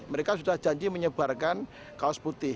mereka sudah janji menyebarkan kaos putih